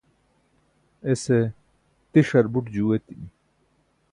ese tiṣar buṭ juu etimi